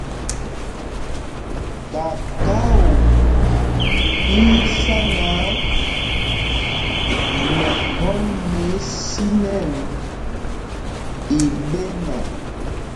Kakao í í sá náǎ, mɛɓɔ́m mɛ ísinɛŋ i ɓéna.